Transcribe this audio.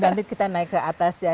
nanti kita naik ke atas ya